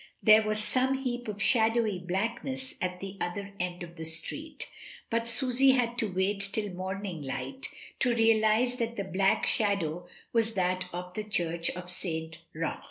There was some heap of shadowy blackness at the other end of the street, but Susy had to wait till morning light to realise that the black shadow was that of the church of St. Roch.